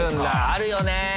あるよね。